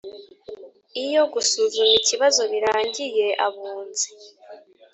Iyo gusuzuma ikibazo birangiye abunzi